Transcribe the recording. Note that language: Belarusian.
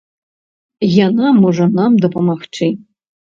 Яна можа нам дапамагчы.